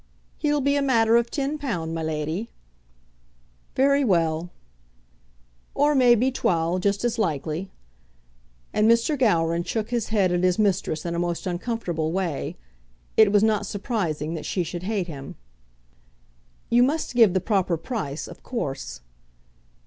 "He'll be a matter of ten pound, my leddie." "Very well." "Or may be twal; just as likely." And Mr. Gowran shook his head at his mistress in a most uncomfortable way. It was not surprising that she should hate him. "You must give the proper price, of course."